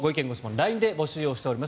ＬＩＮＥで募集をしております。